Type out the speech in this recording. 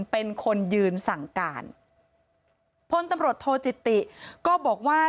เป็นคนยืนสั่งการพลตำรวจโทจิติก็บอกว่า